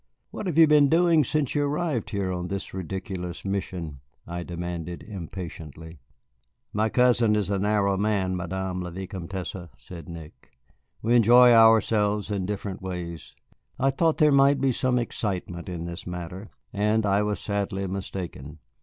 "What have you been doing since you arrived here on this ridiculous mission?" I demanded impatiently. "My cousin is a narrow man, Madame la Vicomtesse," said Nick. "We enjoy ourselves in different ways. I thought there might be some excitement in this matter, and I was sadly mistaken."